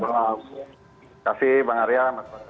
terima kasih bang arya